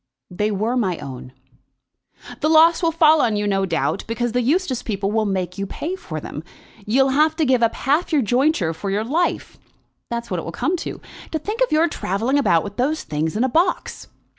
"They were my own." "The loss will fall on you, no doubt, because the Eustace people will make you pay for them. You'll have to give up half your jointure for your life. That's what it will come to. To think of your travelling about with those things in a box!"